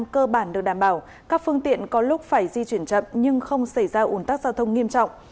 cơ bản được đảm bảo các phương tiện có lúc phải di chuyển chậm nhưng không xảy ra ủn tắc giao thông nghiêm trọng